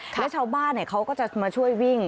แล้วชาวบ้านเขาก็จะมาช่วยวิ่ง